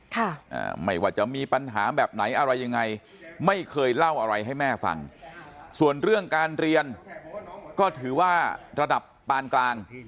ค่ะอ่าไม่ว่าจะมีปัญหาแบบไหนอะไรยังไงไม่เคยเล่าอะไรให้แม่ฟังส่วนเรื่องการเรียนก็ถือว่าระดับปานกลาง